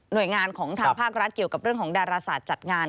โดยงานของทางภาครัฐเกี่ยวกับเรื่องของดาราศาสตร์จัดงาน